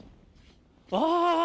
ああ！